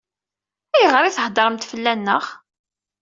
Ayɣer i theddṛemt fell-aneɣ?